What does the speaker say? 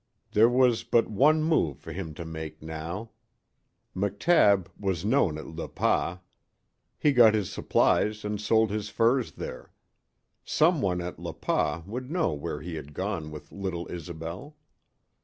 There was but one move for him to make now. McTabb was known at Le Pas. He got his supplies and sold his furs there. Some one at Le Pas would know where he had gone with little Isobel.